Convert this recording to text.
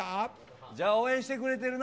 じゃあ、応援してくれてるな。